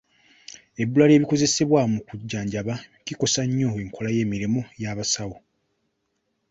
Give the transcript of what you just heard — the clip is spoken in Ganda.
Ebbula ly'ebikozesebwa mu kujjanjaba kikosa nnyo enkola y'emirimu y'abasawo.